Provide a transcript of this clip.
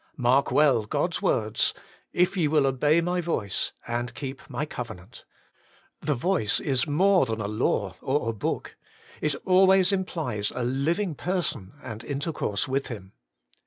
Mark well God's words : 'If ye will obey my voice, and keep my covenant.' The voice is more than a law or a book ; it always implies a living person and intercourse with him.